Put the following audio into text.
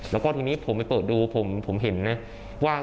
แล้วก็ทีนี้ผมไปเปิดดูผมเห็นนะว่าง